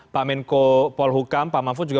pak menko polhukam pak mahfud juga